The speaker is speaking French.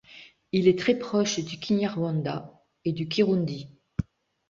Il est très proche du kinyarwanda et du kirundi.